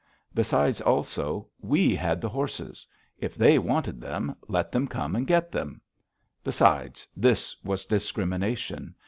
Besides, also, we had the horses. If they wanted them, let them come and get them. Besides, this was discrimination.